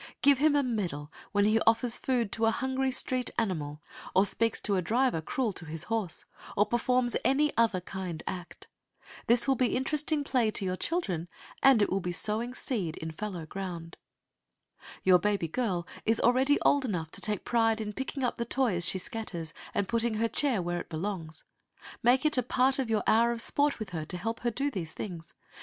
Give him a medal when he offers food to a hungry street animal or speaks to a driver cruel to his horse, or performs any other kind act. This will be interesting play to your children, and it will be sowing seed in fallow ground. Your baby girl is already old enough to take pride in picking up the toys she scatters, and putting her chair where it belongs. Make it a part of your hour of sport with her to help her do these things.